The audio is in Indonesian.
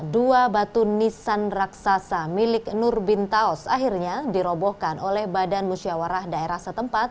dua batu nisan raksasa milik nur bin taos akhirnya dirobohkan oleh badan musyawarah daerah setempat